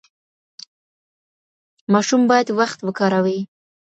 ماشوم باید وخت وکاروي.